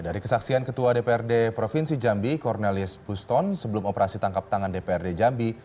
dari kesaksian ketua dprd provinsi jambi cornelis buston sebelum operasi tangkap tangan dprd jambi